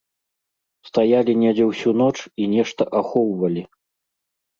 Стаялі недзе ўсю ноч і нешта ахоўвалі.